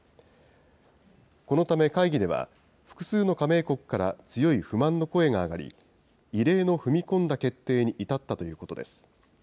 このため会議では、複数の加盟国から強い不満の声が上がり、異例の踏み込んだ決定に至ったということです。